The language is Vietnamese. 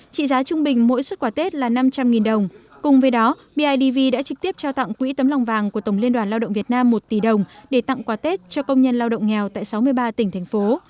trị giá trung bình mỗi xuất quà tết là năm trăm linh đồng cùng với đó bidv đã trực tiếp trao tặng quỹ tấm lòng vàng của tổng liên đoàn lao động việt nam một tỷ đồng để tặng quà tết cho công nhân lao động nghèo tại sáu mươi ba tỉnh thành phố